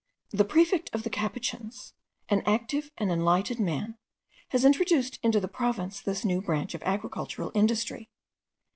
The prefect of the capuchins, an active and enlightened man, has introduced into the province this new branch of agricultural industry.